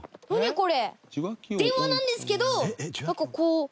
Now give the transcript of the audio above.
これ。